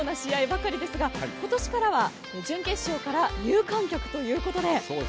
連日手に汗握る試合ばかりですが今年からは準決勝から有観客ということで。